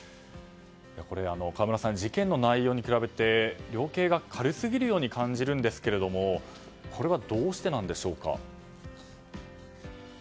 これ、河村さん事件の内容に比べて量刑が軽すぎるように感じるんですがどうしてなんでしょうか？